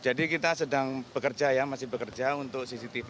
jadi kita sedang bekerja ya masih bekerja untuk cctv